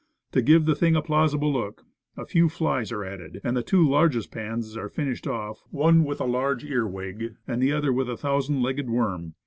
To give the thing a plausible look a few flies are added, and the two largest pans are finished off, one with a large ear wig, the other with a thousand legged worm.